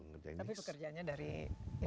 tapi pekerjaannya dari indonesia